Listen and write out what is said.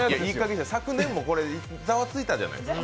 昨年もザワついたじゃないですか。